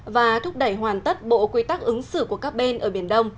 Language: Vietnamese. và thúc đẩy hoàn tất bộ quy tắc ứng xử của các bên ở biển đông